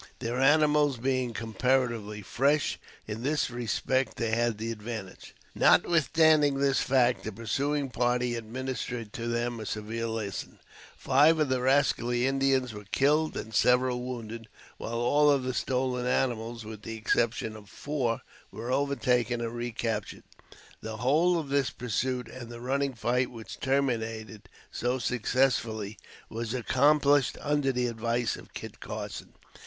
Their animals being comparatively fresh, in this respect they had the advantage. Notwithstanding this fact, the pursuing party administered to them a severe lesson. Five of the rascally Indians were killed and several wounded, while all of the stolen animals, with the exception of four, were overtaken and recaptured. The whole of this pursuit and the running fight which terminated so successfully was accomplished under the advice of Kit Carson.